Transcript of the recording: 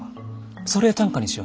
それ短歌にしよ。